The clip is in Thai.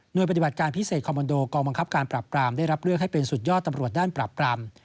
โดยปฏิบัติการพิเศษคอมมันโดกองบังคับการปรับปรามได้รับเลือกให้เป็นสุดยอดตำรวจด้านปรับปราม